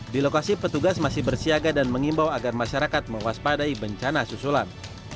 di lokasi petugas masih bersiaga dan mengimbau agar masyarakat mewaspadai bencana susulan